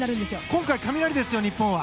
今回は雷ですよ、日本は。